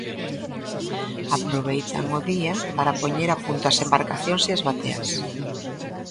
Aproveitan o día para poñer a punto as embarcacións e as bateas.